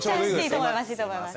いいと思います。